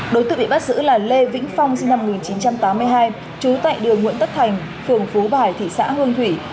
đối tượng bị bắt giữ là lê vĩnh phong sinh năm một nghìn chín trăm tám mươi hai trú tại đường nguyễn tất thành phường phú bài thị xã hương thủy